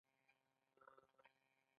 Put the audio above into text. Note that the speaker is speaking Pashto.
نه باید د وسیلې او ابزار په توګه وي.